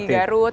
oh tas batik